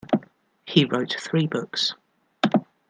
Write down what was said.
He wrote three books.